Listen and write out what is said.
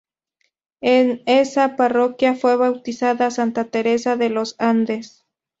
En esa parroquia fue bautizada Santa Teresa de los Andes.